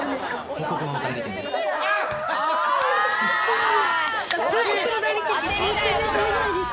広告の代理店です。